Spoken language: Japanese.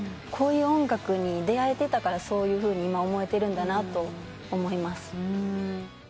こういう音楽に出合えてたからそういうふうに今思えてるんだなと思います。